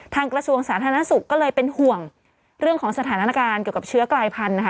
กระทรวงสาธารณสุขก็เลยเป็นห่วงเรื่องของสถานการณ์เกี่ยวกับเชื้อกลายพันธุ์นะคะ